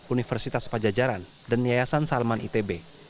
universitas pajajaran dan yayasan salman itb